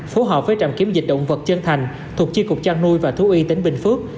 phố họp với trạm kiếm dịch động vật trân thành thuộc chiên cục trang nuôi và thú y tỉnh bình phước